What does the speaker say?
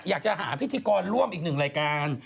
อยากจะหาพิธีกรร่วมอีกหนึ่งรายการ